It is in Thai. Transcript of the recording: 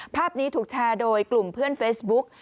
ภาพนี้ถูกแชร์โดยกลุ่มเพื่อนเฟซบุ๊ก